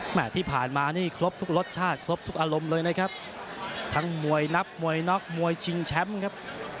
ที่ผ่านมานี่ครบทุกรสชาติครบทุกอารมณ์เลยนะครับทั้งมวยนับมวยน็อกมวยชิงแชมป์ครับ